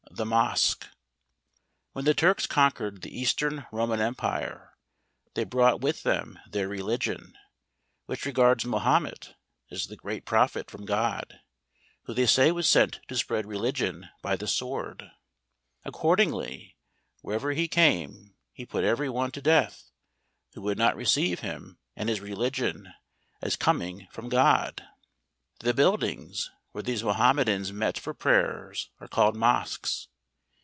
The Mosque . When the Turks conquered the eastern Roman empire, they brought with them their religion; which regards Mahomet as the great prophet from God, who they say was sent to spread re¬ ligion by the sword. Accordingly wherever he came, he put every one to death, who would not receive him and his religion as coming from God. The buildings where these Mahomedans meet for prayers, are called Mosques.